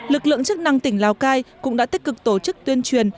lực lượng chức năng tỉnh lào cai cũng đã tích cực tổ chức tuyên truyền